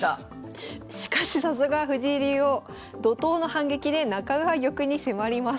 しかしさすが藤井竜王怒とうの反撃で中川玉に迫ります。